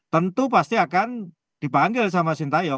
tentu pasti akan dibanggil sama sinteyo